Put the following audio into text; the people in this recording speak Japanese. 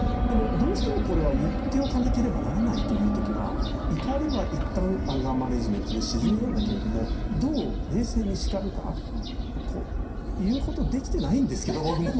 でもどうしてもこれは言っておかなければならないという時は怒りは一旦アンガーマネジメントで静めるんだけれどもどう冷静に叱るかこう言うほどできてないんですけど僕も。